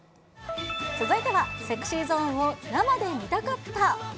続いてはＳｅｘｙＺｏｎｅを生で見たかった。